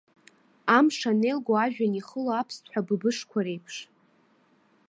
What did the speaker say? Амш анеилго ажәҩан ихыло аԥсҭҳәа быбышқәа реиԥш.